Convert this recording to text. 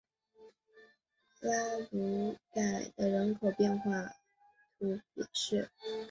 拉卢维埃洛拉盖人口变化图示